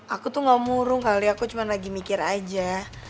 aku tuh gak murung kali aku cuma lagi mikir aja